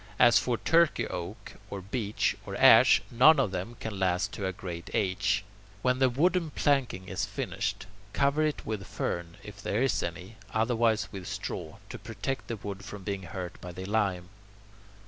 As for Turkey oak or beech or ash, none of them can last to a great age. When the wooden planking is finished, cover it with fern, if there is any, otherwise with straw, to protect the wood from being hurt by the lime.